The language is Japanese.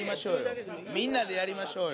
みんなでやりましょうよ。